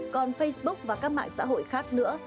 còn facebook và các mạng xã hội khác nữa